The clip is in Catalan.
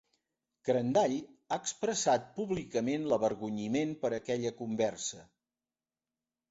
Crandall ha expressat públicament l'avergonyiment per aquella conversa.